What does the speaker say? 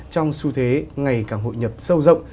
trong xu thế ngày càng hội nhập sâu rộng